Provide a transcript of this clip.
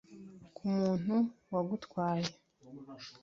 ku muntu wagutwaye.